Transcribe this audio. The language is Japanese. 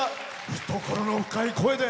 懐の深い声で。